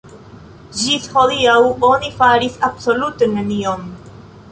Ĝis hodiaŭ oni faris absolute nenion.